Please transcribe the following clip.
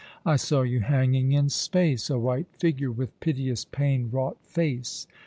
I saw you hanging in space — a white figure, with piteous, pain wrought face.